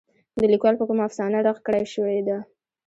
د ليکوال په کومه افسانه رغ کړے شوې ده.